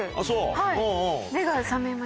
はい。